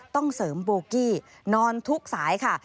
ต้องเสริมโบกี้นอนทุกสายค่ะ